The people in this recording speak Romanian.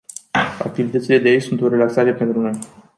Activitățile de aici sunt o relaxare pentru noi.